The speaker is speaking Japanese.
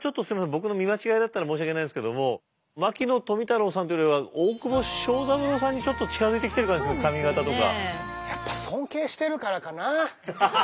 僕の見間違いだったら申し訳ないんですけども牧野富太郎さんっていうよりは大窪昭三郎さんにちょっと近づいてきてる感じする髪形とか。